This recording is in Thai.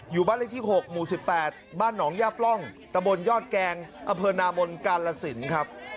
อยู่บ้านเลขที่๖หมู่๑๘บ้านหนองย่าปล่องตะบนยอดแกงอำเภอนาบนกาลสินครับ